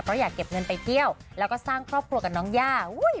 เพราะอยากเก็บเงินไปเที่ยวแล้วก็สร้างครอบครัวกับน้องย่า